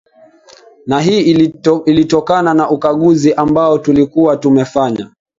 na hii ilitokana na ukaguzi ambao tulikuwa tumefanya